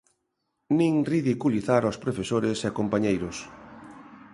Nin ridiculizar os profesores e compañeiros.